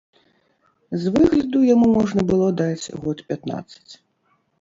З выгляду яму можна было даць год пятнаццаць.